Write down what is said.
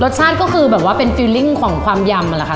ชาติก็คือแบบว่าเป็นฟิลลิ่งของความยำแหละค่ะ